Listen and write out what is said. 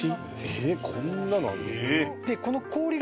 えっこんなのあるの？